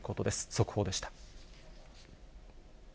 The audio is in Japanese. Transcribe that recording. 速報でした。